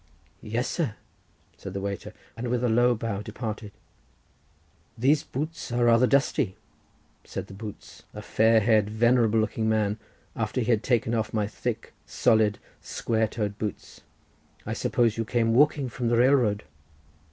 "Yes, sir," said the waiter, and with a low bow departed. "These boots are rather dusty," said the boots, a grey haired, venerable looking man, after he had taken off my thick, solid, square toed boots. "I suppose you came walking from the railroad?"